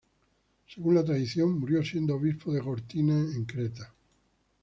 Según la tradición, murió siendo obispo de Gortina, en Creta.